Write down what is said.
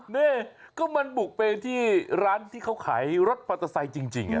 นี่ก็มันบุกไปที่ร้านที่เขาขายรถมอเตอร์ไซค์จริง